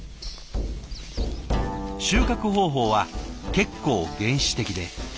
収穫方法は結構原始的で。